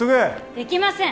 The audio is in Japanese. できません！